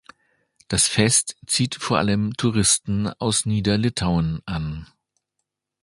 Das Fest zieht vor allem Touristen aus Niederlitauen an.